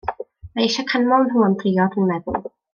Mae eisiau canmol nhw am drio, dwi'n meddwl.